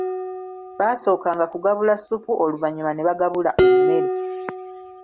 Baasookanga kugabula ssupu oluvanyuma ne bagabula emmere.